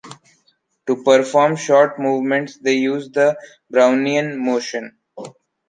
To perform short movements, they use the Brownian motion.